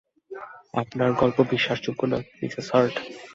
আপনার গল্প বিশ্বাসযোগ্য নয়, মিসেস হার্ট।